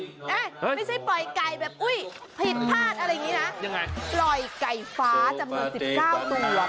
ไม่ใช่ปล่อยไก่อุ้ยเห็นผิดผลาดอะไรอย่างนี้นะ